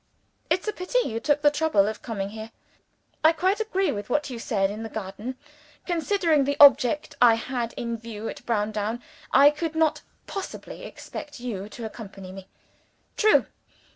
"It's a pity you took the trouble of coming here. I quite agree with what you said in the garden. Considering the object I had in view at Browndown, I could not possibly expect you to accompany me. True!